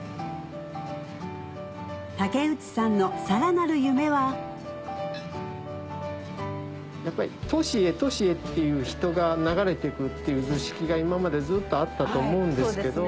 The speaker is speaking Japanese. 竹内さんのさらなる夢はやっぱり都市へ都市へっていう人が流れてくっていう図式が今までずっとあったと思うんですけど。